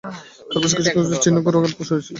কারাবাসের কিছু কিছু চিহ্ন গোরার শরীরে ছিল।